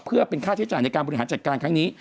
เพื่อเป็นค่าใช้จ่ายในการบริหารจัดการครั้งนี้